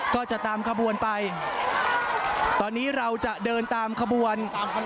ก็จะตามขบวนไปตอนนี้เราจะเดินตามขบวน